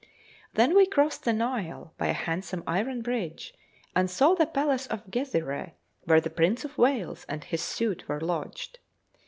Then we crossed the Nile by a handsome iron bridge, and saw the Palace of Gezireh, where the Prince of Wales and his suite were lodged.